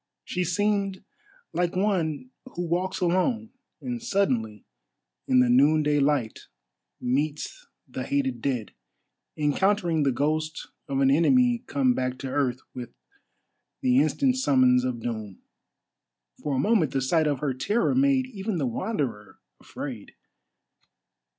She seemed like one who walks alone, and suddenly, in the noonday light, meets the hated dead; encountering the ghost of an enemy come back to earth with the instant summons of doom. For a moment the sight of her terror made even the Wanderer afraid.